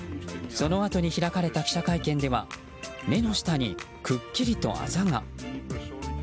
そのあとに開かれた記者会見では目の下にくっきりとあざが。